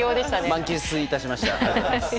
満喫致しました。